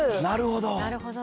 なるほど。